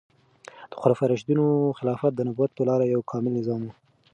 د خلفای راشدینو خلافت د نبوت په لاره یو کامل نظام و.